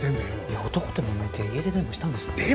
いや男ともめて家出でもしたんですかね？